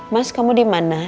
mas kamu di mana